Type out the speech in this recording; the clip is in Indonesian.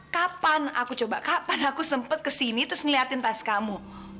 kapan aku coba kapan aku sempet kesini terus ngeliatin tas kamu